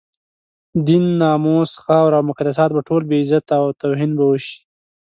دين، ناموس، خاوره او مقدسات به ټول بې عزته او توهین به شي.